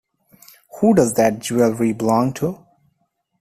Who does that jewellery belong to?